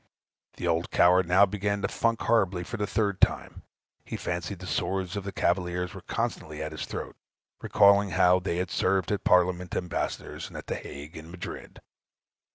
The old coward now began to "funk" horribly for the third time; he fancied the swords of the cavaliers were constantly at his throat, recollecting how they had served the Parliament ambassadors at the Hague and Madrid.